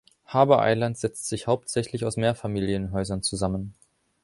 Harbor Island setzt sich hauptsächlich aus Mehrfamilienhäusern zusammen.